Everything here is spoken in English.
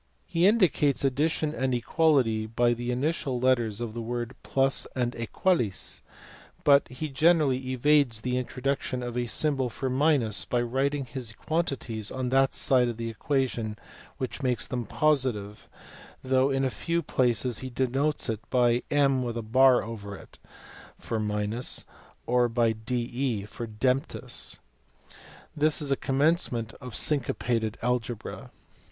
He indicates addition and equality by the initial letters of the words plus and aequalis, but he generally evades the introduction of a symbol for minus by writing his quantities on that side of the equation which makes them positive, though in a few places he denotes it by m for minus or by de for demptus. This is a commencement of syncopated algebra.